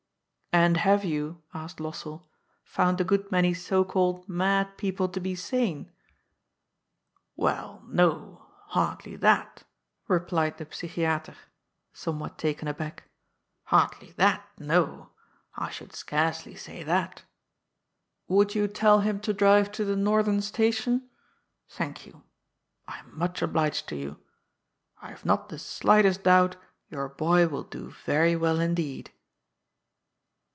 " And have you," asked Lossell, " found a good many so called mad people to be sane ?" i DR. PILLENAAR^S REVENGE. 81 Well, no, hardly that," replied the " peychiater," some what taken ahack, ^^ hardly that, no. I should scarcely say that Would you tell him to drive to the Northern Station ? Thank you. I am much obliged to you. I have not the slightest doubt your boy will do very well indeed.